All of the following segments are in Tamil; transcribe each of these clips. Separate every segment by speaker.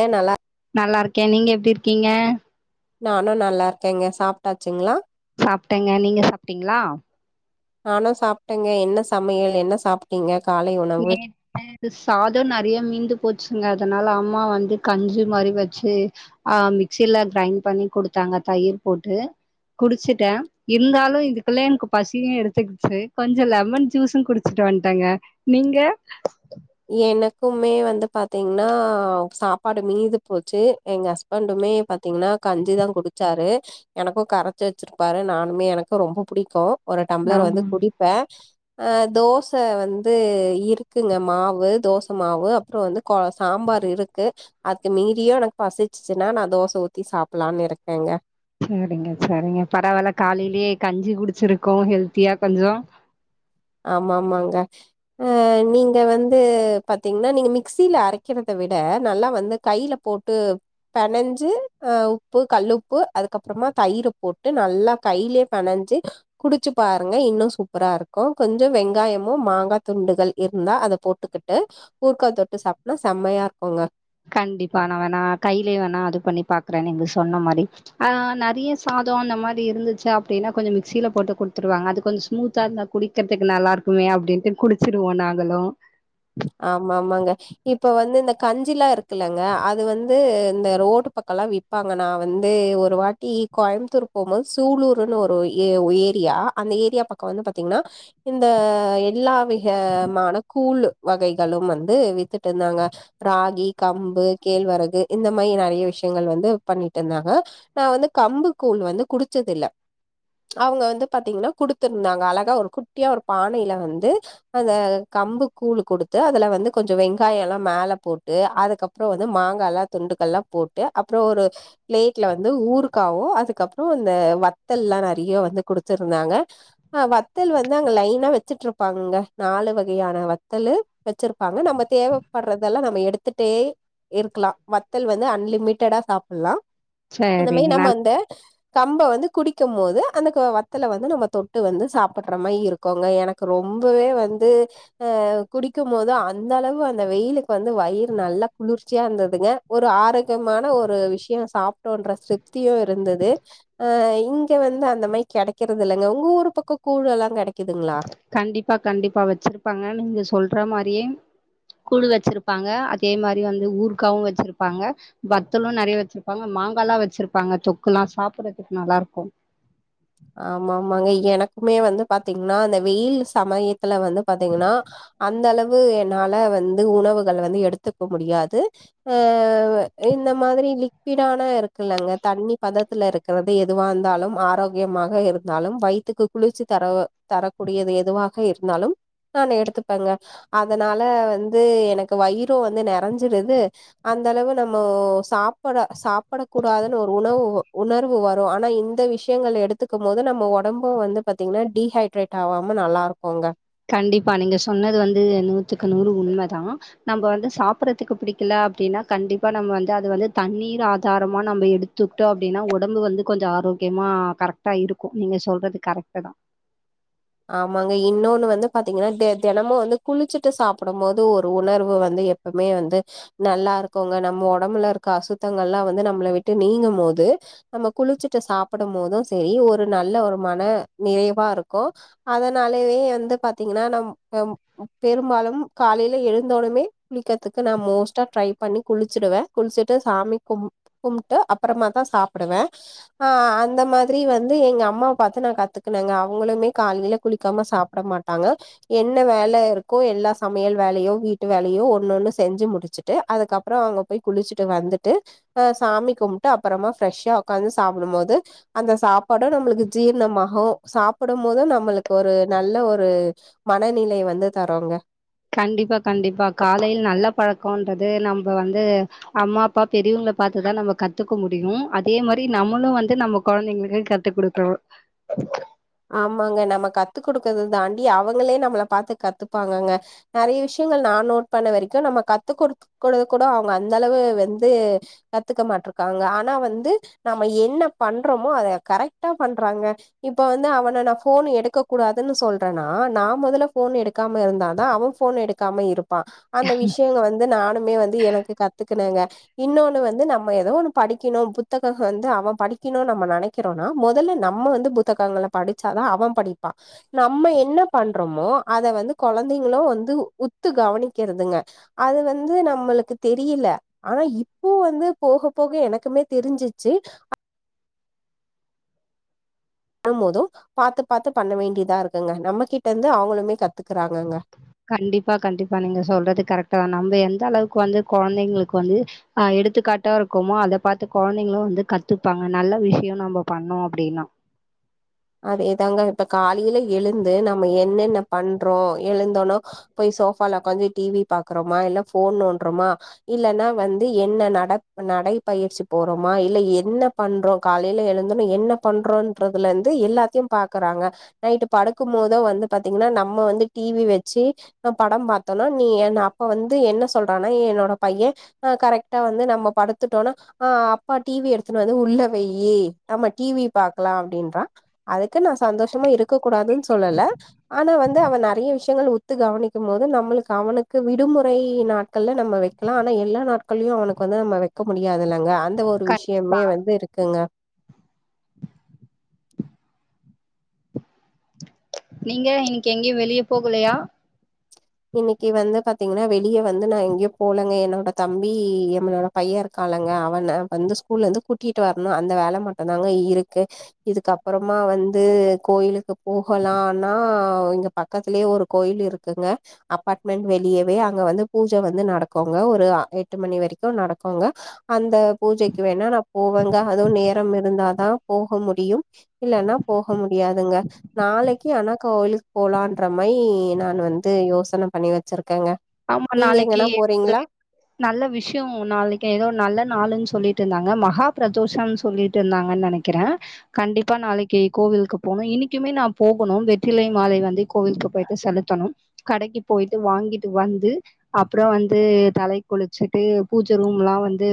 Speaker 1: ஏன் நல்லா
Speaker 2: நல்லாருக்கே நீங்க எப்டி இருக்கீங்க
Speaker 1: நானு நல்லார்க்கேங்க சாப்டாச்சுங்ளா
Speaker 2: சாப்டங்க நீங்க சாப்டீங்ளா
Speaker 1: நானு சாப்டேங்க என்ன சமையல் என்ன சாப் டீங்க காலை உண்
Speaker 2: நேத்து சாதம் நெறைய மீந்து போச்சுங்க அதுனால அம்மா வந்து கஞ்சி மாரி வச்சு ஆ மிக்சில கிரைண் பண்ணி குடுத்தாங்க தயிர் போட்டு குடிச்சுட்ட இருந்தாலும் இதுக்குள்ள எனக்கு பசியும் எடுத்துக்குச்சு கொஞ்ச லெமன் ஜூஸும் குடிச் சுட்டு வந்ட்டங்க நீங்க
Speaker 1: எனக்குமே வந்து பாத்தீங்கன்னா சாப்பாடு மீது போச்சு எங்க ஹஸ் பண்டுமே பாத்தீங்கன்னா கஞ்சிதா குடிச்சாரு எனக்கு கரச்சு வச்சிருப்பாரு நானுமே எனக்கு ரொம்ப புடிக்கு ஒரு டம்ளர் வந்து
Speaker 2: ஆமா
Speaker 1: குடிப்பே ஆ தோச வந்து இருக்குங்க மா வு தோச மாவு அப்றோ வந்து கொ சாம்பார் இருக்கு அத்து மீறியு எனக்கு பசிச்சிச்சுன்னா நா தோச ஊத்தி சாப்புலான் இருக்கேங்க
Speaker 2: சேரிங்க சேரிங்க பரவால்ல காலைலியே கஞ்சி குடிச்சிருக்கோ ஹெல்த்தியா கொஞ்சொ
Speaker 1: ஆமாமாங்க ஆ நீங்க வந்து பாத்தீங்னா நீங்க மிக்ஸில அரைக்கிறத விட நல்லா வந்து கைல போட்டு பெனஞ்சு ஆ உப்பு கல்லுப்பு அதுக்கப்றமா தயிரு போட்டு நல்லா கைலே பெனஞ்சு குடிச்சு பாருங்க இன்னு சூப்பராரு க்கு கொஞ்சொ வெங்காயமு மாங்கா துண்டுகள் இருந்தா அத போட்டுக்கிட்டு ஊர்க்கா தொட்டு சாப்ட்டனா செம்மையாருக்குங்க
Speaker 2: கண்டிப்பா நா வேணா கைலே வேணா அது பண்ணி பாக்குறே நீங்க சொன்ன மாரி ஆனா நறிய சாதோ அந்த மாரி இருந்துச்சு அப்டின்னா கொஞ்சோ மிக்ஸில போட்டு குட்த்துருவாங்க அது கொஞ்சோ ஸ்மூத்தாருந்தா குடி க்கற்த்துக்கு நல்லாருக்குமே அப்டின்ட்டு குடிச்சிருவோ நாங்களு
Speaker 1: ஆமாமாங்க இப்ப வந்து இந்த கஞ்சிலா இருக்குல்லங்க அது வந்து இந்த ரோடு பக்கோல்லா வி ப்பாங்க நா வந்து ஒரு வாட்டி கோயம்புத்தூர் போம்போது சூலூருனு ஒரு ஏ ஏரியா அந்த ஏரியா ப க்கோ வந்து பாத்தீங்கன்னா இந்த எல்லா விஹமான கூழு வகைகளும் வந்து வித்துட்ருந்தாங்க ராகி கம்பு கேழ்வரகு இந்த மாரி நறைய விஷ்யங்கள் வந்து பண்ணிட்ருந்தாங்க நா வந்து கம்பு கூழ் வந்து குடிச்சதில்ல அவுங்க வந்து பாத்தீங்கன்னா குடுத்துருந்தாங்க அழகா ஒரு குட்டியா ஒரு பானைல வந்து அந்த கம்புக் கூழு குடுத்து அதுல வந்து கொஞ்சோ வெங்காயோலா மேல போட்டு அதுக்கப்றோ வந்து மாங்காலா துண்டுகள்லா போட்டு அப்றோ ஒரு பிளேட்ல வந்து ஊறுக்காவு அதுக்கப்றோ அந்த வத்தல்லா நறைய வந்து குடுத்துருந்தாங்க ஆ வத்தல் வந்து அங்க லைனா வச்சுட்ருப்பாங்கங்க நாலு வகையான வ த்தலு வச்சிருப்பாங்க நம்ம தேவப்பட்றதெல்லா நம்ம எடுத்துட்டே இருக்லா வத்தல் வந்து அன்லிமிட்டடா சாப்புலா அந்த மாரி
Speaker 2: சரிங்க.
Speaker 1: நம்ம
Speaker 2: நல்
Speaker 1: அந்த கம்ப வந்து குடிக்கம்மோது அந்த க வத்தல வந்து நம்ம தொட்டு வந்து சாப்புட்ற மாரி இரு க்குங்க எனக்கு ரொம்பவே வந்து ஆ குடிக்கும்மோது அந்தளவு அந்த வெயிலுக்கு வந்து வய்று நல்லா குளிர்ச்சியாந்ததுங்க ஒரு ஆரோக்கியமான ஒரு விஷ்யோ சாப்ட்டோன்ற திருப்தியு இருந்தது ஆ இங்க வந்து அந்த மாரி கெடைக்கறது இல்லங்க உங்க ஊர் பக்கோ கூழ்ழெல்லா கெடைக்கிதுங்ளா
Speaker 2: கண்டிப்பா கண்டிப்பா வச்சிருப்பாங்க நீங்க சொல்ற மாரி கூழு வச்சிருப்பாங்க அதே மாரி வந்து ஊற்காவு வச்சிருப்பாங்க வத்தலு நறைய வச்சிருப்பாங்க மாங்காலா வச்சிருப்பாங்க தொக்குல்லா சாப்புறதுக்கு நல்லாருக்கு
Speaker 1: ஆமாமாங்க எனக்குமே வந்து பாத்தீங்னா அந்த வெயில் சமயத்துல வந்து பாத்தீங்கன்னா அந்தளவு என்னால வந்து உணவுகள் வந்து எடுத்துக்க முடியாது ஆ இந்த மாதிரி லிக்விடான இரு க்குலங்க தண்ணி பதத்துலருக்கறது எதுவாந்தாலு ஆரோக் கியமாக இருந்தாலும் வய்த்துக்கு குளிர்ச்சு தர தரக்கூடியது எதுவாக இருந்தாலும் தானு எடுத்துப்பாங்க அதனால வந்து எனக்கு வயிறு வந்து நெறஞ்சிருது அந்த அளவு நம்மோ சாப்பிட சாப்பிடக் கூடாதுன்னு ஒரு உணவு உணர்வு வரு ஆனா இந்த விஷ ஷயங்கள் எடுத்துக்கும் போது நம்ம ஒடம்பு வந்து பார்த்தீங்னா டிஹைட்ரேட் ஆகாம நல்லா இருக்குங்க
Speaker 2: கண்டிப்பா நீங்க சொன்னது வந்து நூத்துக்கு நூறு உண்மதா நம்ப வந்து சாப்டுறதுக்கு பிடிக்கல அப்படின்னா கண்டிப்பா நம்ம வந்து அது வந்து தண்ணீர் ஆதாரமா நம்ம எடு துக்டோ அப்டினா ஒடம்பு வந்து கொஞ்ச ஆரோக்கியமாக கரெக்டாக இருக்கு நீங்க சொல்றது கரெக்ட் தா
Speaker 1: ஆமாங்க இன்னொன்னு வந்து பாத்தீங்கனா தெ தெனமு வந்து குளிச்சுட்டு சாப்பிடும் போது ஒரு உணர்வு வந்து எப்பமே வந்து நல்லா இருக்குங்க நம்ம ஒடம்புல இருக்க அசுத்தங்கள்ல்லா வந்து நம்மள விட்டு நீங்கும் போது நம்ம குளிச்சிட்டு சாப்படும் போது சேரி ஒரு நல்ல ஒரு மன நிறைவா இருக்கோ அதனாலயே வந்து பாத்தீங்கனா நம் நம் பெரும்பாலும் காலேல எழுந்தோடமே குளிக்கிறதுக்கு நா மோஸ்ட்டா ட்ரை பண்ணி குளிச்சிடுவே குளிச்சுட்டு சாமி கும் கும்ட்டு அப்பறமா தா சாப்புடுவே ஆ அந்த மாதிரி வந்து எங்க அம்மா பாத்து நா கத்துக்குனேங்க அவங்களுமே காலைல குளிக்காம சாப்ட மாட்டாங்க என்ன வேல இருக்கோ எல்லா சமையல் வேலையோ வீட்டு வேலையோ ஒன்னுநொன்னு செஞ்சு முடிச்சு டு அதுக்கப்புறோ அவுங்க போய் குளிச்சுட்டு வந்துட்டு அ சாமி கும்ட்டு அப்பறமா ஃப்ரெஷ்ஷா உக்காந்து சாப்டும் போது அந்த சாப்பாடு நம்மளுக்கு ஜீர்ணமாகு சாப்புடும் போது நம்மளுக்கு ஒரு நல்ல ஒரு மனநிலை வந்து தருங்க
Speaker 2: கண்டிப்பா கண்டிப்பா காலையில் நல்ல பழக்கோன்றது நம்ப வந்து அம்மா அப்பா பெரியவங்கள பாத்துதா நம்ம கத்துக்க முடியு அதே மாரி நம்மளு வந்து நம்ம கொழந்தைங்களுக்கு கத்து குடுக்கனு
Speaker 1: ஆமாங்க நம்ம கத்து குடுக்கறது தாண்டி அவங்களே நம்மள பாத்து கத்துப்பாங்கங்க நெறய விஷயங்கள் நா நோட் பண்ண வரைக்கு நம்ம கத்து கொடுத்து கூட கூட அவுங்க அந்த அளவு வெந்து கத்துக்க மாட்டுருக்காங்க ஆனா வந்து நம்ம என்ன பண்றோமோ அத கரெக்டா பண்றாங்க இப் ப வந்து அவன நா ஃபோன் எடுக்க கூடாதுன்னு சொல்றனா நா முதல்ல ஃபோன் எடுக்காம இருந்தா தா அவன் ஃபோன் எடுக் காம இருப்பா அந்த விஷயங்க வந்து நானுமே வந்து எனக்கு கத்துக்குனேங்க இன்னொன்னு வந்து நம்ம எதோ ஒன்னு படிக்கணு புத்தக வந்து அவன் படிக்கனு நம்ம நெனைக் கிறோனா முதல்ல நம்ம வந்து புத்தகங்கள படிச்சாதா அவ படிப்பா நம்ம என்ன பண்றோமோ அத வந்து கொழந்தைங்களு வந்து உத்து கவனிக்கிறதுங்க அது வந்து நம்மளுக்கு தெரியில ஆனா இப்போ வந்து போக போக எனக்குமே தெரிஞ்சிச்சு அ ண்ணம் போது பாத்து பாத்து பண்ண வேண்டியதா இருக்குங்க நம்மகிட்ட இருந்து அவுங்களுமே கத்துக்குறாங்கங்க
Speaker 2: கண்டிப்பா கண்டிப்பா நீங்க சொல்றது கரெக்டு தா நம்ம எந்த அளவுக்கு வந்து கொழந்தைங்களுக்கு வந்து ஆ எடுத்துக்காட்டா இருக்கோமோ அத பாத்து கொழந்தைங்களு வந்து கத்துப்பாங்க நல்ல விஷயோ நம்ம பண்ணோ அப்படின்னா
Speaker 1: அதேதாங்க இப்ப காலைல எழுந்து நம்ம என்னென்ன பண்றோ எழுந்தோனோ போய் சோஃபால உக்காஞ்சி டி வி பாக்குறோமா இல்ல ஃபோன் நோன்றோமா இல்லன்னா வந்து என்ன நட நடைப்பயிற்சி போறோமா இல்ல என்ன பண்றோ காலைல எழுந்தோன என்ன பண்றோன்றதுல இருந்து எல்லாத்தையு பாக்குறாங்க நைட்டு படுக்கும்போது வந்து பாத்தீங்னா நம்ம வந்து டிவி வெச்சு படம் பாத்தோனா நீ என்ன அப்ப வந்து என்ன சொல்றானா என்னோட பைய ஆ கரெக்டா வந்து நம்ம படுத்துட்டோனா ஆ அப்பா டி வி எடுத்துன்னு வந்து உள்ள வெய் நம்ம டி வி பாக்கலா அப்டின்றா அதுக்குன்னு நா சந்தோஷமா இருக்க கூடாதுன்னு சொல்லல ஆனா வந்து அவ நெறைய விஷயங்கள் உத்து கவனிக்கும் போது நம்மளுக்கு அவனுக்கு விடுமுறை நாட்கள்ல நம்ம வை ஆனா எல்லா நாட்கள்லையு அவனக்கு வந்து நம்ம வெக்க முடியாதுல்லங்க அந்த ஒரு
Speaker 2: கண்
Speaker 1: விஷயமே வந்து இருக்குங்க
Speaker 2: நீங்க இன்னிக்கு எங்கயு வெளிய போகலயா
Speaker 1: இன்னிக்கு வந்து பாத்தீங்கனா வெளிய வந்து நா எங்கயு போலங்க என்னோட தம்பி எங்களோட பைய இருக்காளங்க அவன வந்து ஸ்கூல்ல இருந்து கூட்டிட்டு வரணு அந்த வேல மட்டுதாங்க இருக்கு இதுக்கப்பறமா வந்து கோயிலுக்கு போகலானா இங்க பக் பக்கத்துலயே ஒரு கோயில் இருக்குங்க அப்பார்ட்மெண்ட் வெளியவே அங்க வந்து பூஜ வந்து நடக்கோங்க ஒரு எட்டு மணி வரைக்கு நடக்குங்க அந்த பூஜைக்கு வேணா நா போவேங்க அதுவு நேரம் இருந்தாதா போக முடியு இல்லன்னா போக முடியாதுங்க நாளைக்கு ஆனா கோவிலுக்கு போலான்ற மாதிரி நான் வந்து யோசன பண்ணி வச்சிருக்கங்க
Speaker 2: ஆமா,
Speaker 1: நீங்க
Speaker 2: நாளைக்கு
Speaker 1: எங்கனா போறீங்களா
Speaker 2: நல்ல விஷய நாளைக்கு ஏதோ நல்ல நாள்ன்னு சொல்லிட்டு இருந்தாங்க மகா பிரதோஷம்னு சொல்லிட்டு இருந்தாங்கன்னு நினைக் குற கண்டிப்பா நாளைக்கு கோவிலுக்கு போணு இன்னிக்குமே நா போகுணு வெற்றிலை மாலை வந்து கோவிலுக்கு போயி செலுத்தணும் கடைக்கு போயிட்டு வாங்கிட்டு வந்து அப்பற வந்து தலைக் குளிச்சுட்டு பூஜ ரூம் எல்லா வந்து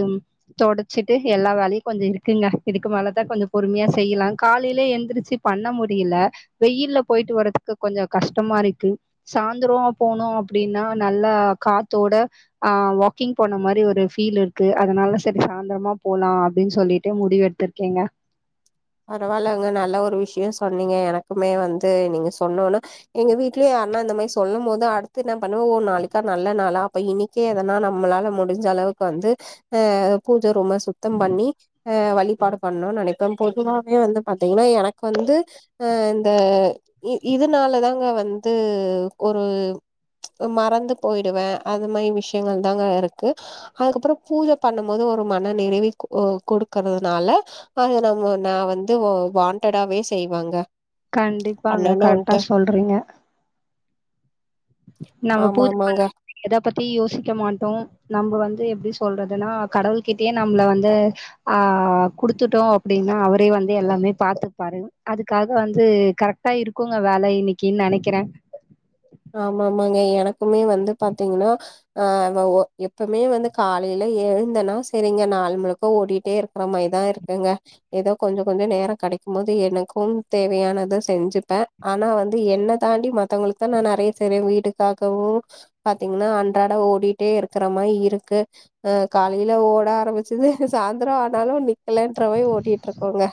Speaker 2: தொடச்சிட்டு எல்லா வேலையு கொஞ்ச இருக்குங்க இதுக்கு மேலதா கொஞ்ச பொறுமையா செய்யலா காலையிலயே எழுந்திரச்சு பண்ண முடியல வெயில்ல போயிட்டு வர்றதுக்கு கொஞ்ச கஷ்டமா இருக்கு சாய்ந்திர போனோ அப்டின்னா நல்ல காத்தோட ஆஹ் வாக்கிங் போன மாதிரி ஒரு ஃபீல் இருக்கு அதனால சரி சாயந்திரமா போலா அப்டின்னு சொல்லிட்டு முடிவு எடுத்து த்து இருக்கங்க
Speaker 1: பரவாயில்லங்க நல்ல ஒரு விஷய சொன்னீங்க எனக்குமே வந்து நீங்க சொன்னோன எங்க வீடலயு அண்ணா இந்த மாதிரி சொல்லு போது அடுத்து என்ன பண்ணுவோ ஓ நாளைக்கா நல்ல நாாளா அப்ப இனி க்கே எதன்னா நம்மளால முடிஞ்ச அளவுக்கு வந்து அஹ் பூஜை ரூம சுத்தி சுத்த பண்ணி அஹ வழிபாடு பண்ணும்னு நெனைப்ப பொதுவாவே வந்து பாத்தீங்கன்னா எனக்கு வந்து அஹ் இந்த இதுனால தாங்க வந்து ஒரு மறந்து போயிடுவ அது மாதிரி விஷயங்கள் தாங்க இருக்கு அதுக்கப்பற பூஜை பண்ணும் போது ஒரு மன நிறைவி கொடுக்கறதுனால அது நம் நா வந்து வாண்டடாவே செய்வங்க
Speaker 2: கண்டிப்பாங்க கரெக்டா
Speaker 1: பண்ணணுன்ட்டு
Speaker 2: சொல்றீங்க நம்ம
Speaker 1: ஆமா
Speaker 2: பூஜை
Speaker 1: ஆமாங்க
Speaker 2: பண்ண போதே எத பத்தி யோசிக்க மாட்டோ நம்ம வந்து எப்டி சொல்றதுன்னா கடவுள கிட்டயே நம்மள வந்து ஆஹ் குடுத்துட்டோ அப்டின்னா அவரே வந்து எல்லாமே பாத்துப்பாரு அதுக்காக வந்து கரெக்ட் ன் இருக்குங்க வேல இன்னிக்குன்னு நெனைக்கிற
Speaker 1: ஆமாமாங்க எனக்குமே வந்து பாத்தீங்கன்னா ஆஹ் எப்பவுமே வந்து காலையில எழுந்தனா சரிங்க நாள் முழுக்க ஓடிட்டே இருக்கிற மாதிரிதா இருக்கு இருங்க ஏதோ கொஞ்ச கொஞ்ச நேரம் கிடைக்கும் போது எனக்கும் தேவையானத செஞ்சுப்ப ஆனா வந்து என்னை தாண்டி மத்தவங்களுக்குத்தா நா நெறைய செய்றவ வீடுக்காகவு பாத்தீங்கன்னா அன்றாட ஓடிட்டே இருக்குற மாதிரி இருக்கு அஹ் காலையில ஓட ஆரம்பிச்சது சாயந்தர ஆனாலு நிக்கலன்ற மாரி ஓட்டிட்டு இருக்கோங்க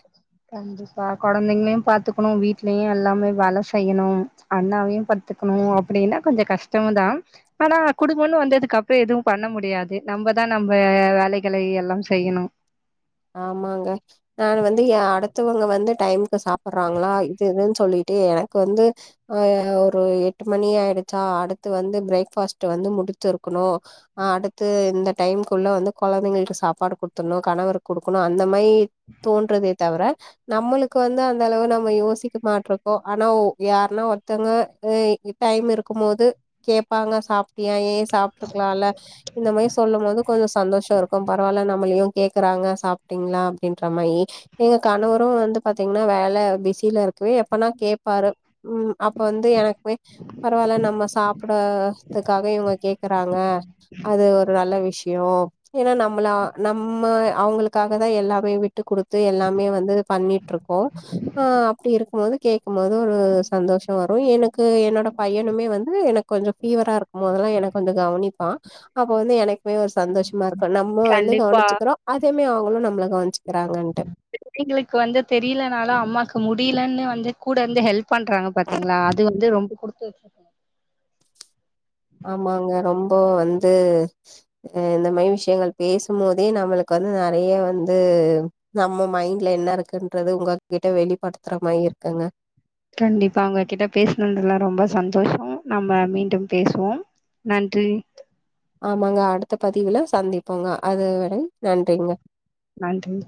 Speaker 2: கண்டிப்பா குழந்தைங்களையு பாத்துக்கணும் வீட்லயு எல்லாமே வேல செய்யணும் அண்ணாவையு ப கத்துக்கணு அப்டின்னா கொஞ்ச கஷ்டம் தா ஆனா குடும்போன்னு வந்ததுக்கப்றோ எதுவு பண்ண முடியாது நம்மதா நம்ம வேலைகளை எல்லாம் செய்யணு
Speaker 1: ஆமாங்க நானு வந்து எ அடுத் த்தவங்க வந்து டைமுக்கு சாப்புட்றாங்களா இதுதுன்னு சொல்லிட்டு எனக்கு வந்து அ ஒரு எட்டு மணி ஆயிடுச்சா அடுத்து வந்து பிரேக்பாஸ்ட்டு வந்து முடிச்சிருக்கணு அடுத்து இந்த டைம்க்குள்ள வந்து கொழந்தைங்களுக்கு சாப்பாடு குட்த்துன்ணு கணவர் குடுக்கணு அந்த மாயி தோன்றதே தவிர நம்மளுக்கு வந்து அந்த அளவு நம்ம யோசிக்க மாட்டுருக்கோ ஆனா யாருனா ஒருத்தங்க டைம் இருக்கும் போது கேட்பாங்க சாப்ட்டியா ஏ சாப்ட்டுக்கலால்ல இந்த மாயி சொல்லும் போது கொஞ்ச சந்தோஷ இருக்கு பரவால்ல நம்மளையு கேக்கறாங்க சாப்ட்டீங்களா அப்டின்ற மாயி எங்க கணவரும் வந்து ப பாத்தீங்கன்னா வேலை பிஸில இருக்கவே எப்பனா கேப்பாரு ம் அப்ப வந்து எனக்குவே பரவால்ல நம்ம சாப்ட்றதுக்காக இவங்க கேக்குறாங்க அது ஒரு நல்ல விஷ் யு ஏனா நம்பளா நம்ம அவ்ங்களுக் க்காக தா எல்லாமே விட்டு குடுத்து எல்லாமே வந்து பண்ணிட்டுருக்கோ ஆ அப்டி இருக்கும் போது கேக்கும்போது ஒரு சந்தோஷ வரு எனுக்கு என்னோட பையனுமே வந்து எனக்கு கொஞ்ச ஃபீவரா இருக்கும் போதெல்லா எனக்கு கொஞ்ச கவனிப்பா அப்ப வந்து எனக்மே ஒரு சந்தோஷ்மா இருக் க நம்ம வந்து
Speaker 2: கண்டிப்பா
Speaker 1: கவனிச்சிக்றோ அதேமே அவங்களு வந்து நம்மள கவனிச்சிகிறாங்கன்ட்டு
Speaker 2: பிள்ளைங்களுக் வந்து தெரியிலனாலு அம்மாக்கு முடியிலன்னு வந்து கூட இந்து ஹெல்ப் பண்றாங்க பாத்தீங்ளா அது வந்து ரொம்ப குடுத்து வெச்ச
Speaker 1: ஆமாங்க ரொம்போ வந்து இந்த மாயி விஷியங்கள் பேசும் போதே நம்பளுக்கு வந்து நெறய வந்து நம்ம மைண்ட்ல என்ன இருக்குன்றது உங்க கிட்ட வெளிப்படுத்ற மாயி இருக்குங்க
Speaker 2: கண்டிப்பா உங்ககிட்ட பேஸ்னதுல்ல ரொம்ப சந்தோஷ நம்ம மீண்டும் பேசுவோம் நன்றி
Speaker 1: ஆமாங்க அடுத்த பதுவுல சந்திப்போங்க அது வரை நன்றிங்க
Speaker 2: நன்றி